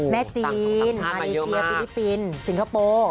จีนมาเลเซียฟิลิปปินส์สิงคโปร์